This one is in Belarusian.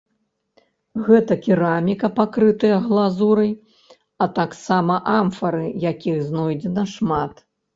Гэта кераміка, пакрытая глазурай, а таксама амфары, якіх знойдзена шмат.